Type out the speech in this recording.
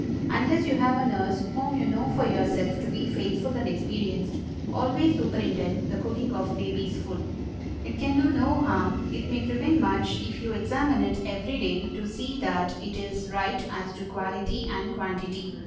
Unless you have a nurse whom you know for yourself to be faithful and experienced, always superintend the cooking of baby's food. It can do no harm—it may prevent much—if you examine it every day to see that it is right as to quality and quantity.